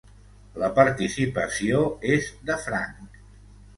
La participació és de franc.